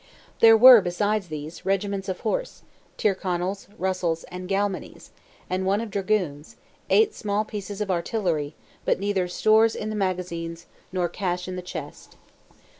There were besides these, regiments of horse, Tyrconnell's, Russell's, and Galmony's, and one of dragoons, eight small pieces of artillery, but neither stores in the magazines, nor cash in the chest.